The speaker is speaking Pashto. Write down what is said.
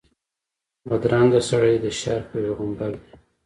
بدرنګه سړی د شر پېغمبر وي